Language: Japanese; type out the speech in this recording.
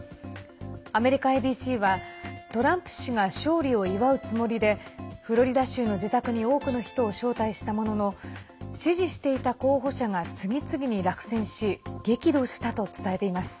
アメリカＡＢＣはトランプ氏が勝利を祝うつもりでフロリダ州の自宅に多くの人を招待したものの支持していた候補者が次々に落選し激怒したと伝えています。